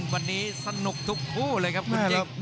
วันนี้สนุกทุกคู่เลยครับคุณจิ๊บ